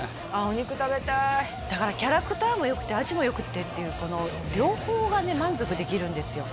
お肉食べたいだからキャラクターもよくて味もよくてっていうこの両方がね満足できるんですよ